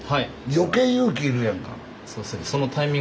余計勇気要るやんか。